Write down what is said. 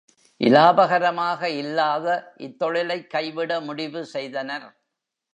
இலாபகரமாக இல்லாத இத்தொழிலைக் கைவிட முடிவு செய்தனர்.